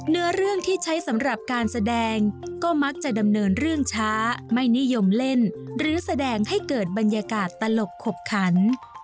เนื้อเรื่องที่ใช้สำหรับการแสดงก็มักจะดำเนินเรื่องช้าไม่นิยมเล่นหรือแสดงให้เกิดบรรยากาศตลกขบขัน